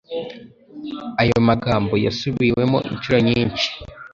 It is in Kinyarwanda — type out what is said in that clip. Ayo magambo yasubiwemo inshuro nyinshi